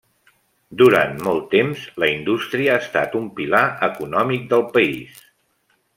Durant molt temps, la indústria ha estat un pilar econòmic del país.